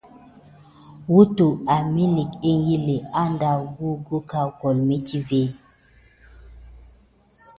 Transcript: Wutəwa emilik ékili adawu gukole metivé.